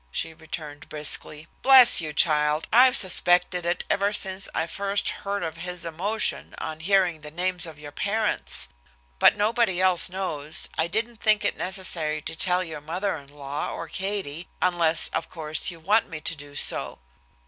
she returned briskly. "Bless you, child, I've suspected it ever since I first heard of his emotion on hearing the names of your parents. But nobody else knows, I didn't think it necessary to tell your mother in law or Katie, unless, of course, you want me to do so."